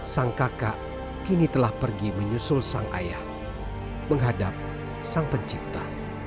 sang kakak kini telah pergi menyusul sang ayah menghadap sang pencipta